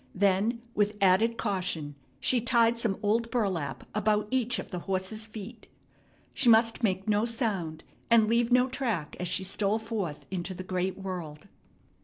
Then with added caution she tied some old burlap about each of the horse's feet. She must make no sound and leave no track as she stole forth into the great world.